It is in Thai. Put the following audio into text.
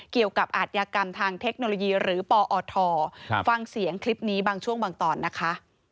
อาทยากรรมทางเทคโนโลยีหรือปอทฟังเสียงคลิปนี้บางช่วงบางตอนนะคะ